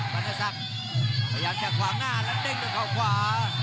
บรรณศักดิ์พยายามจะขวางหน้าแล้วเด้งด้วยเขาขวา